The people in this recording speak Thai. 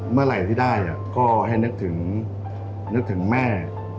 เมื่อไหร่ที่ได้ก็ให้นึกถึงนึกถึงแม่